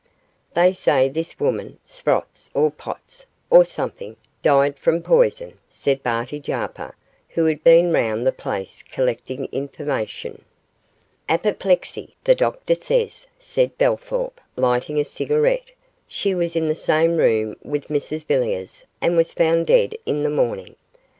'They say this woman Sprotts or Potts, or something died from poison,' said Barty Jarper, who had been all round the place collecting information. 'Apoplexy, the doctor says,' said Bellthorp, lighting a cigarette; 'she was in the same room with Mrs Villiers and was found dead in the morning.